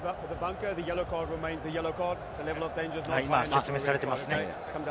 今、説明されていますね。